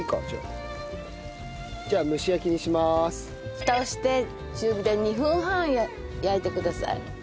フタをして中火で２分半焼いてください。